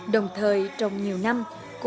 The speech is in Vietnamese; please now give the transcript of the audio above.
đồng thời trong nhiều năm